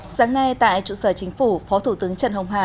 sáng nay tại trụ sở chính phủ phó thủ tướng trần hồng hà